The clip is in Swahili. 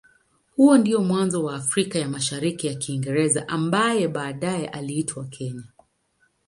Huo ndio mwanzo wa Afrika ya Mashariki ya Kiingereza ambaye baadaye iliitwa Kenya.